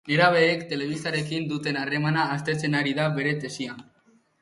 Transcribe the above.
Nerabeek telebistarekin duten harremana aztertzen ari da bere tesian.